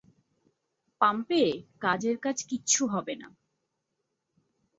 পাম্পে কাজের কাজ কিচ্ছু হবে না।